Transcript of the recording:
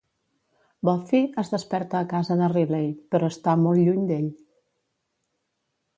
Buffy es desperta a casa de Riley, però està molt lluny d'ell.